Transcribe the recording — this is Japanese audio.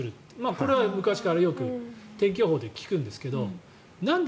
これは昔からよく天気予報で聞くんですけどなんで、